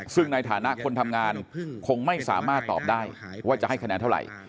ซึ่งในฐานะคนทำงานคงไม่สามารถตอบได้ว่าจะให้คะแนนเท่าไหร่